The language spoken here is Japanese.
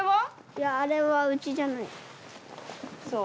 いやあれはうちじゃない。